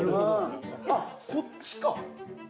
あっそっちか！